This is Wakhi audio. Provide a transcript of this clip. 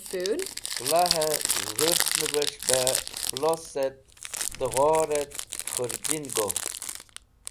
Kẽlaẽ dhũrsẽnẽves̃h bẽ plosẽt, tẽghoẽt khẽrjin go.